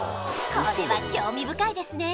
これは興味深いですね